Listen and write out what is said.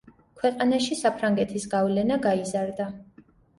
ქვეყანაში საფრანგეთის გავლენა გაიზარდა.